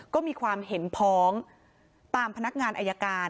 ก็มีความเห็นพ้องตามพนักงานอายการ